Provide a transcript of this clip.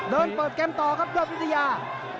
เดินเปิดเกมต่อครับยอดมิติยา